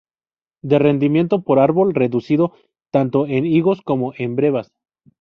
De rendimiento por árbol reducido tanto en higos como en brevas.